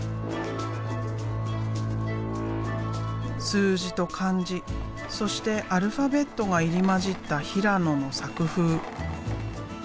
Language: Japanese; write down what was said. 数字と漢字そしてアルファベットが入り交じった平野の作風。